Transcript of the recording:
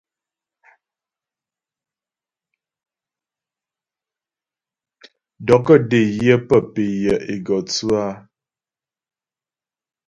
Dɔkɔ́́ dé yə pə pé yə́ é gɔ tsʉ áa.